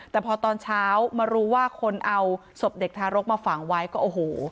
แต่พอตอนเช้ามารู้ว่าคนเอาศพเด็กทารกมาฝังไว้ก็โอ้โห